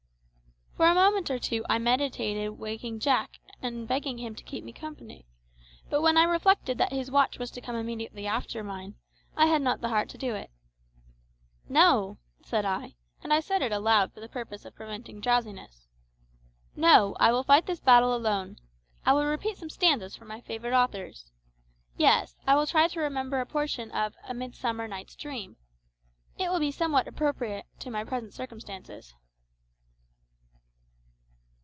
For a moment or two I meditated awaking Jack and begging him to keep me company, but when I reflected that his watch was to come immediately after mine, I had not the heart to do it. "No!" said I (and I said it aloud for the purpose of preventing drowsiness) "no; I will fight this battle alone! I will repeat some stanzas from my favourite authors. Yes, I will try to remember a portion of `A Midsummer Night's Dream.' It will be somewhat appropriate to my present circumstances."